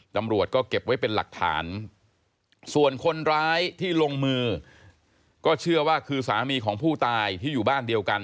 ตำรวจก็เก็บไว้เป็นหลักฐานส่วนคนร้ายที่ลงมือก็เชื่อว่าคือสามีของผู้ตายที่อยู่บ้านเดียวกัน